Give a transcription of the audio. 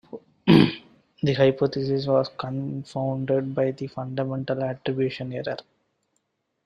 The hypothesis was confounded by the fundamental attribution error.